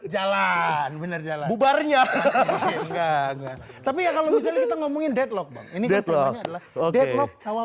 jalan jalan bubarnya hahaha tapi kalau misalnya ngomongin deadlock ini betul adalah oke coba